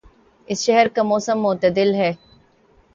اس شہر کا موسم معتدل ہے